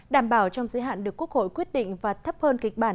đảm bảo trong giới hạn được quốc hội quyết định và thấp hơn kịch bản